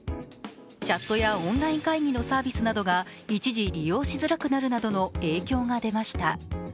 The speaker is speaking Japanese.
チャットやオンライン会議のサービスなどが一時利用しづらくなるなどの影響が出ました。